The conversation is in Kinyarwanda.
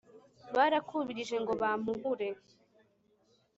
barakubirije ngo bampuhure.